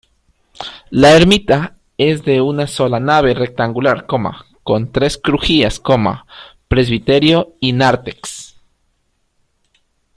La ermita es de una sola nave rectangular, con tres crujías, presbiterio y nártex.